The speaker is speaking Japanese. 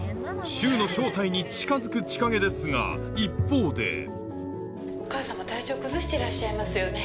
柊の正体に近づく千景ですが一方でお母さま体調を崩してらっしゃいますよね？